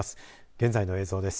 現在の映像です。